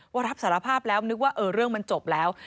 ว่ารับสารภาพแล้วนึกว่าเรื่องมันจบแล้ว